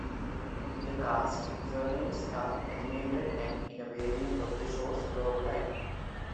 The cast's surnames are animated and in a variant of the show's logotype.